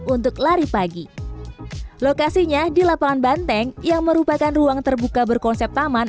untuk lari pagi lokasinya di lapangan banteng yang merupakan ruang terbuka berkonsep taman